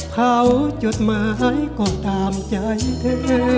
เขาจดหมายก็ตามใจเธอ